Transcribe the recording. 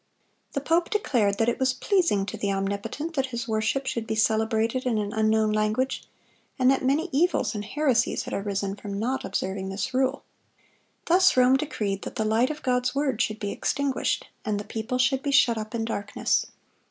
The pope declared that "it was pleasing to the Omnipotent that His worship should be celebrated in an unknown language, and that many evils and heresies had arisen from not observing this rule."(125) Thus Rome decreed that the light of God's word should be extinguished, and the people should be shut up in darkness.